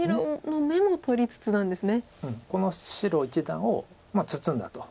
この白一団を包んだと。